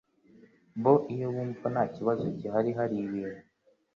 bo iyo bumva nta kibazo gihari hari ibintu